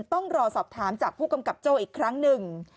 ต้องรอสอบถามจากผู้กำกับโจ้อีกครั้งหนึ่ง